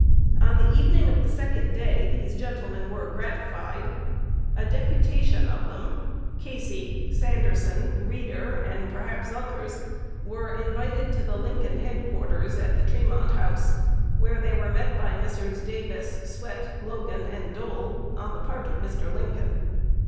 On the evening of the second day, these gentlemen were gratified. A deputation of them Casey, Sanderson, Reeder, and perhaps others were invited to the Lincoln Head quarters at the Tremont House, where they were met by Messrs. Davis, Swett, Logan, and Dole, on the part of Mr. Lincoln.